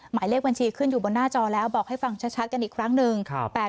หมายเลขบัญชีขึ้นอยู่บนหน้าจอแล้วบอกให้ฟังชัดกันอีกครั้งหนึ่ง